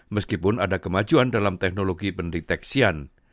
meskipun ada kemajuan dalam teknologi pendeteksian